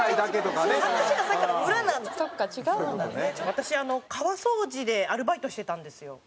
私川掃除でアルバイトしてたんですよ。